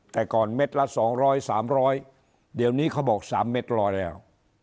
แต่ก่อนเม็ดละสองร้อยสามร้อยเดี๋ยวนี้เขาบอกสามเม็ดร้อยแล้ว